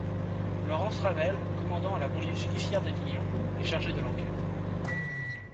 Laurence Ravel, commandant à la police judiciaire d'Avignon, est chargée de l'enquête.